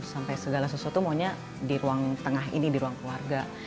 sampai segala sesuatu maunya di ruang tengah ini di ruang keluarga